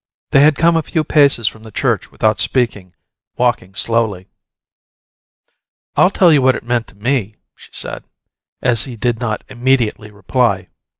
They had come a few paces from the church without speaking, walking slowly. "I'll tell you what it meant to me," she said, as he did not immediately reply.